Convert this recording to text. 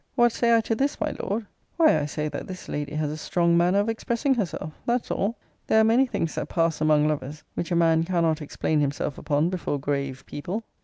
] What say I to this, my Lord! Why, I say, that this lady has a strong manner of expressing herself! That's all. There are many things that pass among lovers, which a man cannot explain himself upon before grave people.